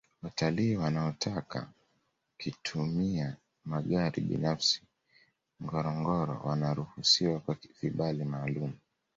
watalii wanaotaka kitumia magari binafsi ngorongoro wanaruhusiwa kwa vibali maalumu